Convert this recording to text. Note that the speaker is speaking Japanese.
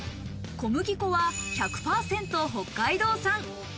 小麦粉は１００％北海道産。